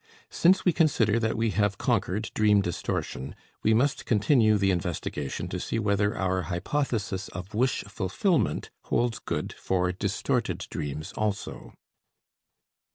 Since we consider that we have conquered dream distortion, we must continue the investigation to see whether our hypothesis of wish fulfillment holds good for distorted dreams also.